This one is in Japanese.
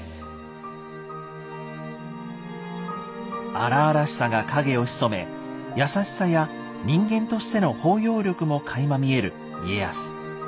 荒々しさが影を潜め優しさや人間としての包容力もかいま見える家康。